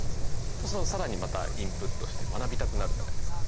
そうするとさらにまたインプットして学びたくなるじゃないですか。